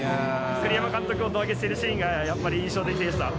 栗山監督を胴上げしているシーンがやっぱり印象的でした。